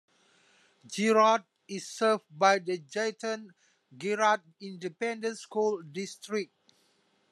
Girard is served by the Jayton-Girard Independent School District.